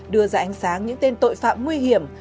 đưa ra ánh sáng những tên tội phạm nguy hiểm